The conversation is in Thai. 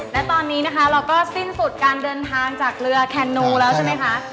และตอนนี้นะคะเราก็สิ้นสุดการเดินทางจากเรือแคนนูแล้วใช่ไหมคะ